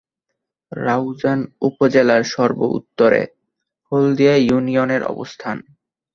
রাউজান উপজেলার সর্ব-উত্তরে হলদিয়া ইউনিয়নের অবস্থান।